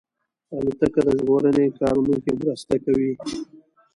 الوتکه د ژغورنې کارونو کې مرسته کوي.